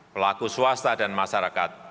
pelaku swasta dan masyarakat